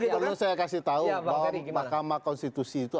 kemudian saya kasih tahu bahwa mahkamah konstitusi itu